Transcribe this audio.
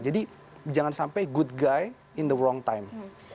jadi jangan sampai good guy in the wrong time